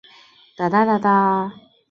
玛姬是一个十几岁的不良少女。